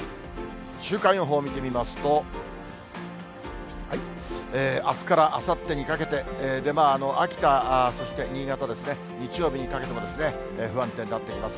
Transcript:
週間予報を見てみますと、あすからあさってにかけて、秋田、そして新潟ですね、日曜日にかけても、不安定になってきます。